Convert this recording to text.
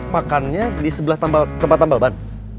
makannya di sebelah tempat tambal ban